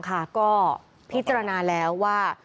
ก็พิจารณาแล้วว่า